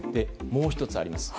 もう１つあります。